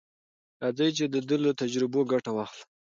راځئ چې د ده له تجربو ګټه واخلو.